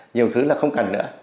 nhiều thứ là không cần nữa